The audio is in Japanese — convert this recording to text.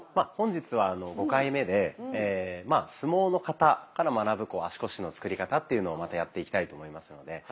本日は５回目で「相撲の型から学ぶ足腰のつくり方」っていうのをまたやっていきたいと思いますので。